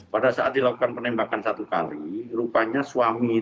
pada saat dilakukan penembakan satu kali